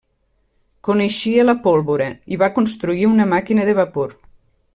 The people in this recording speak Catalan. Coneixia la pólvora i va construir una màquina de vapor.